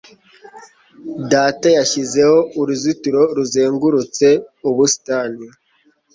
Data yashyizeho uruzitiro ruzengurutse ubusitani.